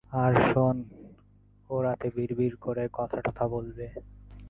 আর শোন, ও রাতে বিড়বিড় করে কথাটথা বলবে।